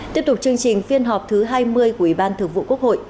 tiếp tục chương trình phiên họp thứ hai mươi của ủy ban thượng vụ quốc hội